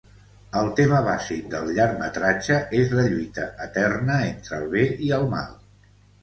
El tema bàsic del llargmetratge és la lluita eterna entre el bé i el mal.